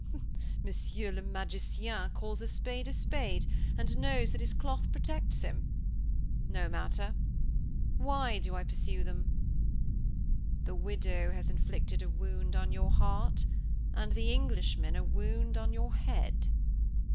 "Monsieur le magicien calls a spade a spade, and knows that his cloth protects him. No matter! Why do I pursue them?" "The widow has inflicted a wound on your heart, and the Englishman a wound on your head.